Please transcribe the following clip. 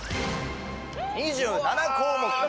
２７項目！